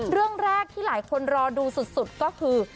เรื่องแรกที่หลายคนรอดูสุดก็คือ